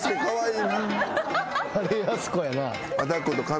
あれやす子やな。